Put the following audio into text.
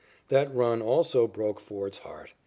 That run also broke Ford's heart.